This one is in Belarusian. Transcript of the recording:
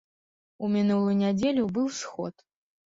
У мінулую нядзелю быў сход.